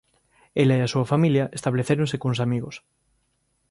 Ela e a súa familia establecéronse cuns amigos.